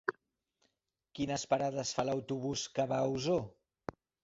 Quines parades fa l'autobús que va a Osor?